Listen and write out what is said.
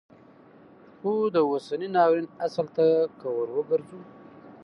خو د اوسني ناورین اصل ته که وروګرځو